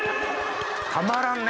たまらんね！